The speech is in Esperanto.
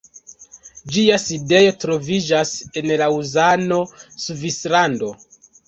Ĝia sidejo troviĝas en Laŭzano, Svislando.